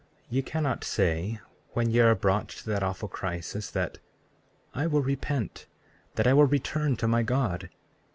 34:34 Ye cannot say, when ye are brought to that awful crisis, that I will repent, that I will return to my God.